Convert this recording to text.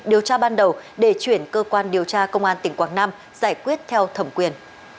điều tra ban đầu để chuyển cơ quan điều tra công an tỉnh quảng nam giải quyết theo thẩm quyền